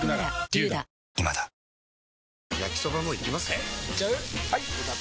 えいっちゃう？